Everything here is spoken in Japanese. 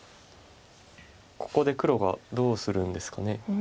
ここで黒がどうするんですかね。